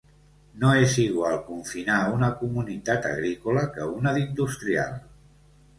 No és igual confinar una comunitat agrícola que una d’industrial.